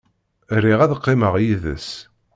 Riɣ ad qqimeɣ yid-s.